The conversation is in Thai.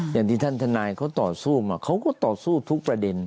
อย่างที่ท่านทนายเขาต่อสู้มาเขาก็ต่อสู้ทุกประเด็น